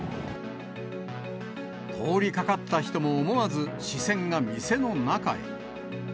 通りかかった人も、思わず視線が店の中へ。